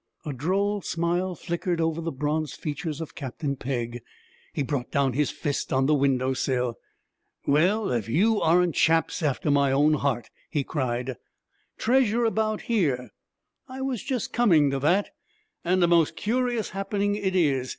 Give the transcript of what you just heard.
A droll smile flickered over the bronzed features of Captain Pegg. He brought down his fist on the window sill. 'Well, if you aren't chaps after my own heart!' he cried. 'Treasure about here? I was just coming to that and a most curious happening it is!